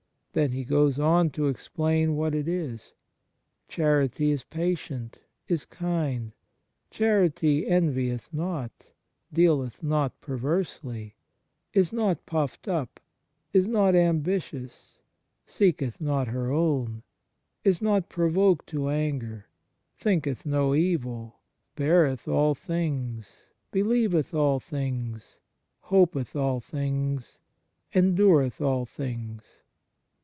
Then he goes on to explain what it is: "Charity is patient, is kind : charity envieth not, dealeth not perversely; is not puffed up ; is not ambitous, seeketh not her own, is not provoked to anger, thinketh no evil ... beareth all things, believeth all things, hopeth all things, endureth all things."